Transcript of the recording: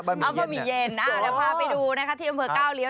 บะหมี่เย็นเนี่ยอ้าวเดี๋ยวพาไปดูนะคะที่อำเภอเก้าเลี้ยว